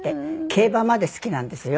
競馬まで好きなんですよ。